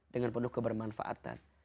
dengan penuh kebermanfaatan